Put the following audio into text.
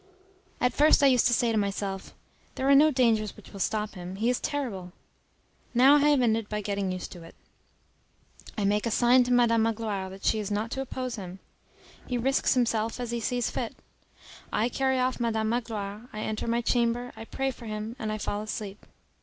At first I used to say to myself, "There are no dangers which will stop him; he is terrible." Now I have ended by getting used to it. I make a sign to Madam Magloire that she is not to oppose him. He risks himself as he sees fit. I carry off Madam Magloire, I enter my chamber, I pray for him and fall asleep.